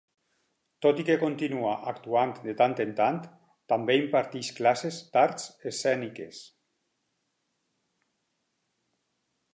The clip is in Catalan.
Tot i que continua actuant de tant en tant, també imparteix classes d'arts escèniques.